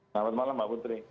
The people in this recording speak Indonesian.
selamat malam mbak putri